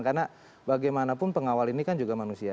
karena bagaimanapun pengawal ini kan juga manusia